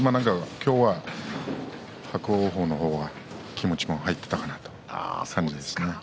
今日は伯桜鵬の方も気持ちが入っていたかなという感じですかね。